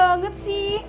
oh sesuai banget sih